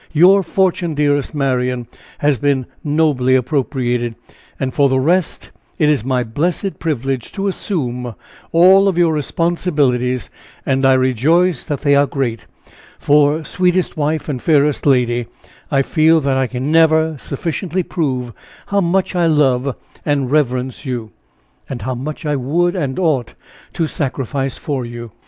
Your fortune, dearest Marian, has been nobly appropriated and for the rest, it is my blessed privilege to assume all your responsibilities and I rejoice that they are great! for, sweetest wife, and fairest lady, I feel that I never can sufficiently prove how much I love and reverence you how much I would and ought to sacrifice for you!"